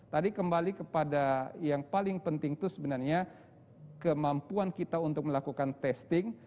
tadi kembali kepada yang paling penting itu sebenarnya kemampuan kita untuk melakukan testing